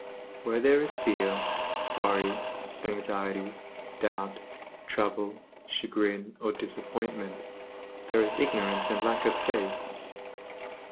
Where there is fear, worry, anxiety, doubt, trouble, chagrin, or disappointment, there is ignorance and lack of faith.